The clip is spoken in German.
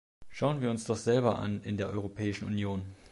Schauen wir uns doch selber an in der Europäischen Union!